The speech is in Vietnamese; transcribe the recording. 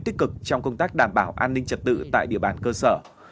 tích cực trong công tác đảm bảo an ninh trật tự tại địa bàn cơ sở